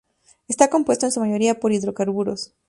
Está compuesto en su mayoría por hidrocarburos.